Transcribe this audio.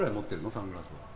サングラスは。